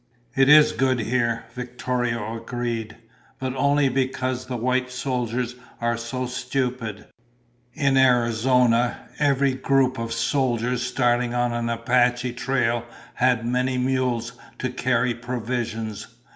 "It is good here," Victorio agreed. "But only because the white soldiers are so stupid. In Arizona, every group of soldiers starting on an Apache trail had many mules to carry provisions.